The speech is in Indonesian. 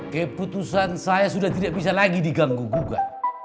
keputusan saya sudah tidak bisa lagi diganggu gugat